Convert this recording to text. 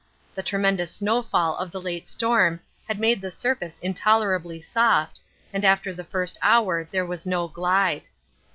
The tremendous snowfall of the late storm had made the surface intolerably soft, and after the first hour there was no glide.